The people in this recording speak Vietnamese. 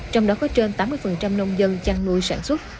trong đó có trên tám mươi nông dân chăn nuôi sản xuất